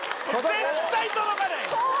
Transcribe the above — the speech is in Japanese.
絶対届かない！